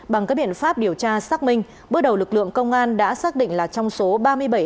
bằng các biện pháp điều tra xác minh bước đầu lực lượng công an đã xác định là trong số ba mươi bảy hành khách trên xe